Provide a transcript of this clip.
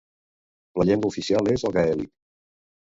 La llengua oficial és el gaèlic.